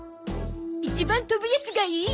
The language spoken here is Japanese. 一番飛ぶやつがいい！